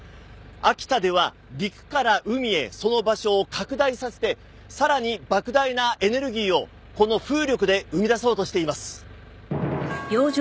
秋田では陸から海へその場所を拡大させてさらに莫大なエネルギーをこの風力で生み出そうとしています。